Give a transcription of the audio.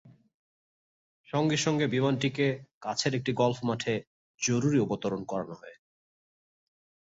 সঙ্গে সঙ্গে বিমানটিকে কাছের একটি গলফ মাঠে জরুরি অবতরণ করানো হয়।